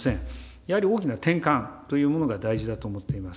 やはり大きな転換というものが大事だと思っています。